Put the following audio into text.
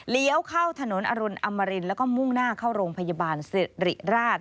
เข้าถนนอรุณอมรินแล้วก็มุ่งหน้าเข้าโรงพยาบาลสิริราช